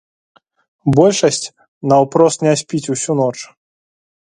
Большасць наўпрост не спіць усю ноч.